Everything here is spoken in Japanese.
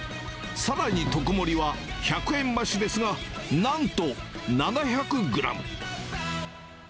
さらに特盛は、１００円増しですが、なんと７００グラム。